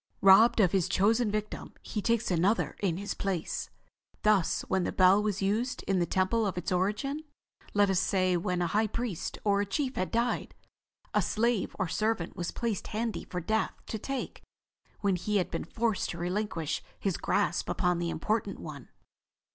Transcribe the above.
Robbed of his chosen victim, he takes another in his place. Thus when the bell was used in the temple of its origin—let us say when a high priest or a chief had died—a slave or servant was placed handy for Death to take when he had been forced to relinquish his grasp upon the important one."